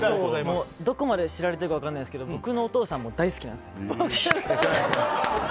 どこまで知られてるか分からないですが僕のお父さんも大好きなんです。